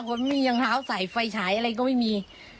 คนไม่มีรองเท้าใส่ไฟฉายอะไรก็ไม่มี